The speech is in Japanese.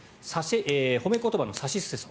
褒め言葉のさしすせそ。